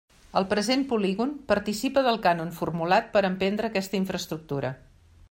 El present polígon participa del cànon formulat per a emprendre aquesta infraestructura.